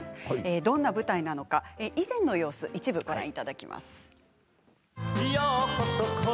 どんな舞台なのか以前の様子を一部ご覧いただきます。